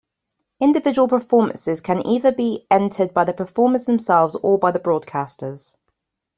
Individual performances can either be entered by the performers themselves or by the broadcasters.